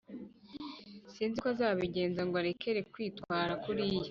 sinzi uko nzabigenza ngo arekere kwitwara kuriya